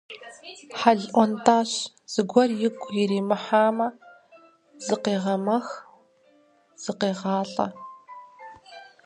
Хьэл ӏуэнтӏащ, зыгуэр игу иримыхьамэ зыкъегъэмэх, зыкъегъалӏэ.